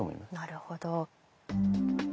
なるほど。